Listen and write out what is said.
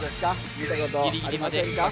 見たことありませんか？